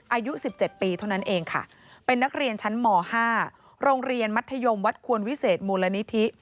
อายุ๑๗ปีเท่านั้นเองค่ะเป็นนักเรียนชั้นม๕โรงเรียนมัธยมวัดควรวิเศษมูลนิธิ